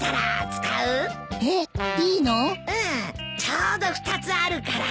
ちょうど２つあるから。